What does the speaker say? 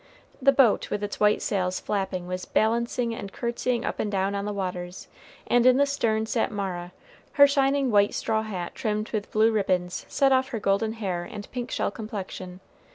The boat with its white sails flapping was balancing and courtesying up and down on the waters, and in the stern sat Mara; her shining white straw hat trimmed with blue ribbons set off her golden hair and pink shell complexion.